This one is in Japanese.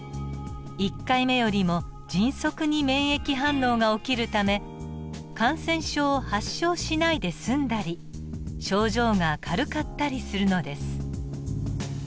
１回目よりも迅速に免疫反応が起きるため感染症を発症しないで済んだり症状が軽かったりするのです。